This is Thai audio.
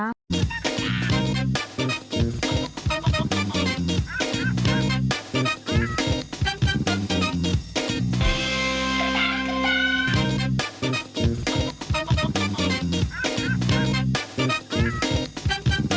โปรดติดตามตอนต่อไป